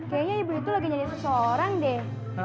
kayaknya ibu itu lagi nyanyiin seseorang deh